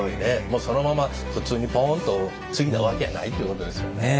もうそのまま普通にポンと継いだわけやないってことですよね。